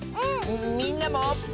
みんなも。